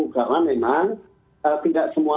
karena memang tidak semua